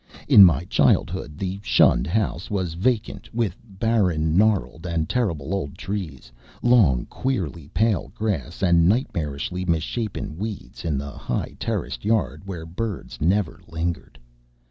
In my childhood the shunned house was vacant, with barren, gnarled and terrible old trees, long, queerly pale grass and nightmarishly misshapen weeds in the high terraced yard where birds never lingered.